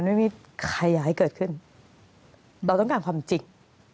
ไม่มีใครอยากให้เกิดขึ้นเราต้องการความจริง